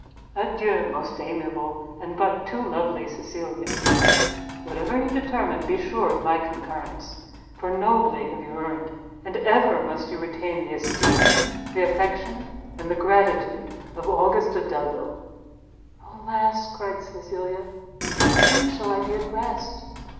Adieu, most amiable and but too lovely Cecilia; whatever you determine, be sure of my concurrence, for nobly have you earned, and ever must you retain, the esteem, the affection, and the gratitude of AUGUSTA DELVILE. "Alas," cried Cecilia, "when shall I be at rest?